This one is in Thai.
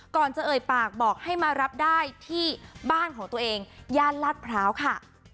ก่อนจะเอ่ยปากบอกให้มารับได้ที่บ้านของตัวเองย่านลาดพร้าวค่ะ